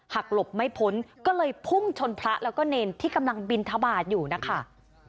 หลบไม่พ้นก็เลยพุ่งชนพระแล้วก็เนรที่กำลังบินทบาทอยู่นะคะ